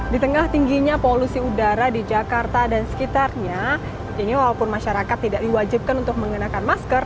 di tengah tingginya polusi udara di jakarta dan sekitarnya ini walaupun masyarakat tidak diwajibkan untuk mengenakan masker